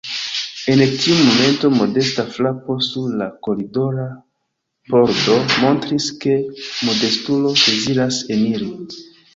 En tiu momento modesta frapo sur la koridora pordo montris, ke modestulo deziras eniri.